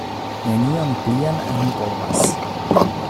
Nenion plian mi povas!